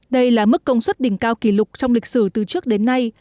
đây là mức công suất đỉnh cao kỷ lục trong lịch sử từ trước đến nay